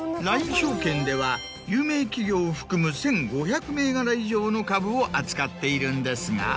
証券では有名企業を含む１５００銘柄以上の株を扱っているんですが。